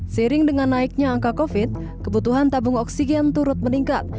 sering dengan naiknya angka covid kebutuhan tabung oksigen turut meningkat